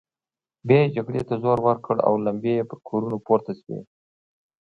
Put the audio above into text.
بيا يې جګړې ته زور ورکړ او لمبې يې پر کورونو پورته شوې.